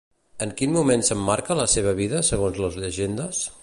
En quin moment s'emmarca la seva vida segons les llegendes?